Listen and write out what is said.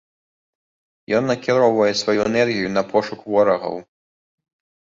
Ён накіроўвае сваю энергію на пошук ворагаў.